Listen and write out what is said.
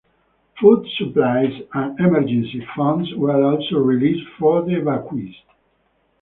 Food supplies and emergency funds were also released for the evacuees.